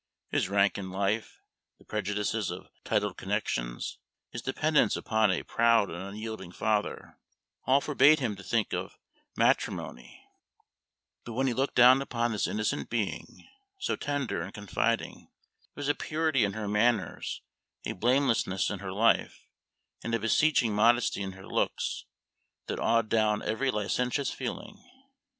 His rank in life, the prejudices of titled connections, his dependence upon a proud and unyielding father, all forbade him to think of matrimony; but when he looked down upon this innocent being, so tender and confiding, there was a purity in her manners, a blamelessness in her life, and a beseeching modesty in her looks that awed down every licentious feeling.